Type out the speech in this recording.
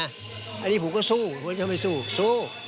อันนี้ผมก็สู้ผมจะเข้าไปสู้สู้